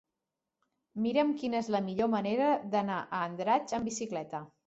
Mira'm quina és la millor manera d'anar a Andratx amb bicicleta.